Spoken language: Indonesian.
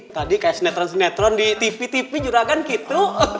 tadi kayak senetron senetron di tv tv juragan gitu